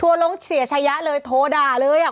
ทัวรงเสียชัยะเลยโทรด่าเลยอะ